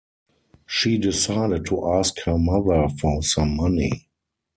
She decided to ask her mother for some money.